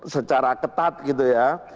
secara ketat gitu ya